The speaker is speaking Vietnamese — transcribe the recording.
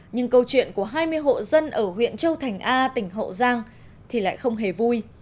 nhưng câu chuyện của hai mươi hộ dân ở huyện châu thành a tỉnh hậu giang thì lại không hề vui